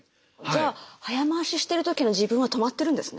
じゃあ早回ししてる時の自分は止まってるんですね。